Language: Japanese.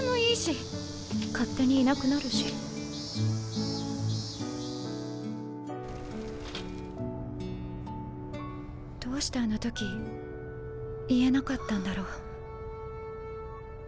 勝手にいなくなるしどうしてあの時言えなかったんだろう